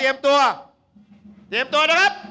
ตัวเตรียมตัวนะครับ